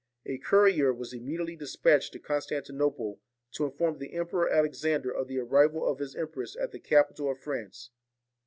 A courier was immediately despatched to Constan tinople to inform the Emperor Alexander of the arrival of his empress at the capital of France.